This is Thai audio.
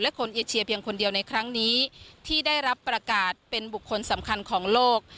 และคนเอเชียเพียงคนเดียวในครั้งนี้ที่ได้รับประกาศเป็นบุคคลสำคัญของโลก